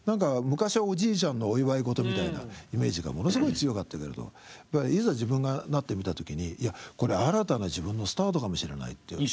昔はおじいちゃんのお祝い事みたいなイメージがものすごい強かったけれどいざ自分がなってみた時にいやこれ新たな自分のスタートかもしれないって。